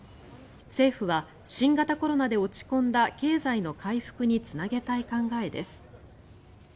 政府は新型コロナで落ち込んだ経済の回復につなげたい考えです。